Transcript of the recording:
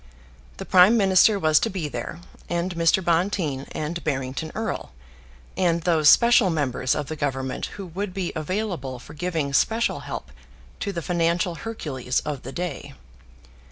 The prime minister was to be there, and Mr. Bonteen, and Barrington Erle, and those special members of the Government who would be available for giving special help to the financial Hercules of the day.